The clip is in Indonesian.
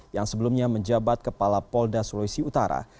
yang sebelumnya menjabat kepala polda sulawesi utara